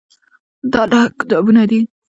دا نهه کتابونه دي.